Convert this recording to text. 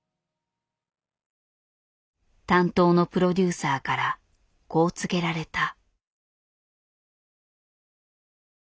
担当のプロデューサーからこう告げられた。